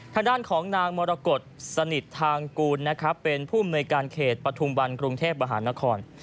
ทางด้านของนางมรสนิอษฐกูลเป็นผู้เนยการเขตประธุม่าในกรุงเทพอาหารนคร